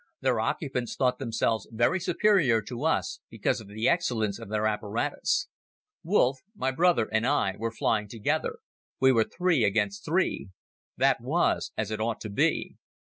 Their occupants thought themselves very superior to us because of the excellence of their apparatus. Wolff, my brother and I, were flying together. We were three against three. That was as it ought to be.